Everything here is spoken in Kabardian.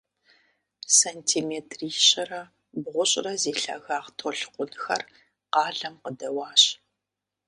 Сантиметрищэрэ бгъущӏрэ зи лъагагъ толъкъунхэр къалэм къыдэуащ.